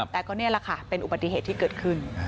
แต่ก็นี่แหละค่ะเป็นอุบัติเหตุที่เกิดขึ้น